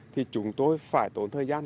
thì chúng tôi phải tốn thời gian